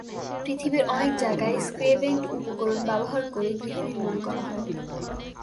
পৃথিবীর অনেক জায়গায়, স্ক্রেভেঙ্গড উপকরণ ব্যবহার করে গৃহ নির্মাণ করা হয়।